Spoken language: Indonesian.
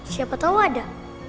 siapa tau ada